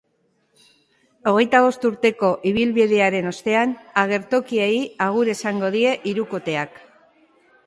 Hogeita bost urteko ibilbidearen ostean, agertokiei agur esango die hirukoteak.